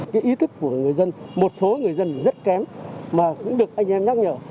cái ý thức của người dân một số người dân rất kém mà cũng được anh em nhắc nhở